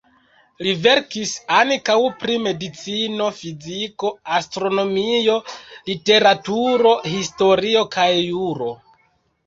Li verkis ankaŭ pri medicino, fiziko, astronomio, literaturo, historio kaj juro.